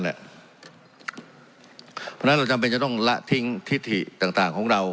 เพราะฉะนั้นเราจำเป็นจะต้องละทิ้งทิศถิต่างของเรา